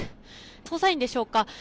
捜査員でしょうか。